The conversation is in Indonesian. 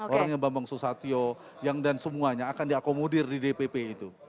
orang yang bambang susatyo yang dan semuanya akan diakomodir di dbp itu